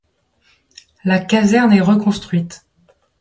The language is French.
La caserne est reconstruite.